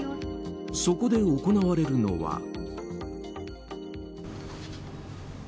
そこで行われるのは。